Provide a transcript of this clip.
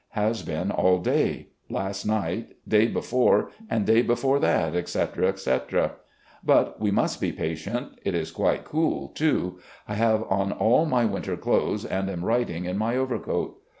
Has been all day, last night, day before, and day before that, etc., etc. But we must be patient. It is quite cool, too. I have on aU my winter clothes and am writing in my overcoat.